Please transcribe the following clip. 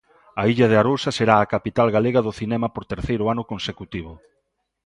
A Illa de Arousa será a capital galega do cinema por terceiro ano consecutivo.